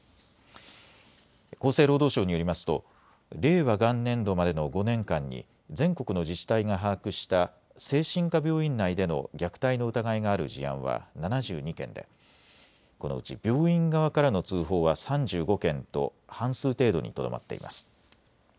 厚生労働省によりますと令和元年度までの５年間に全国の自治体が把握した精神科病院内での虐待の疑いがある事案は７２件でこのうち病院側からの通報は３５件と半数程度にとどまっています。